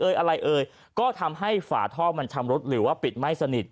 อะไรเอ่ยก็ทำให้ฝาท่อมันชำรุดหรือว่าปิดไม่สนิท